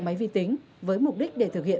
máy vi tính với mục đích để thực hiện